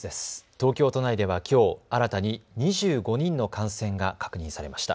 東京都内ではきょう、新たに２５人の感染が確認されました。